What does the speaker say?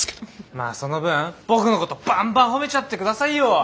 まあその分僕のことバンバン褒めちゃって下さいよ。